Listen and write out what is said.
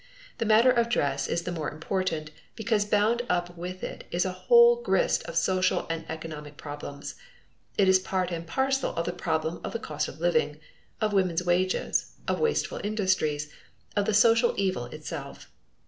The matter of dress is the more important, because bound up with it is a whole grist of social and economic problems. It is part and parcel of the problem of the cost of living, of woman's wages, of wasteful industries, of the social evil itself.